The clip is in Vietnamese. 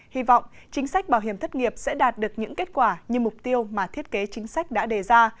hy vọng chính sách bảo hiểm thất nghiệp sẽ đạt được những kết quả như mục tiêu mà thiết kế chính sách đã đề ra